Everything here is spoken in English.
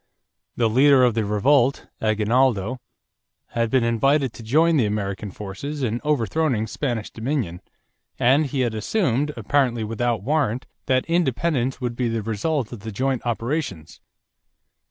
The leader of the revolt, Aguinaldo, had been invited to join the American forces in overthrowing Spanish dominion, and he had assumed, apparently without warrant, that independence would be the result of the joint operations.